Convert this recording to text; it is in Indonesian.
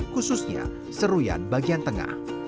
khususnya seruyan bagian tengah